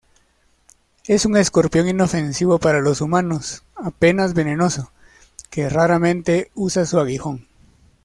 Es un escorpión inofensivo para los humanos, apenas venenoso, que raramente usa su aguijón.